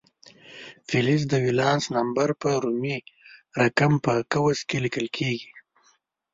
فلز د ولانس نمبر په رومي رقم په قوس کې لیکل کیږي.